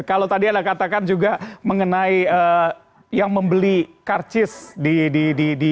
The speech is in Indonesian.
kalau tadi anda katakan juga mengenai yang membeli karcis di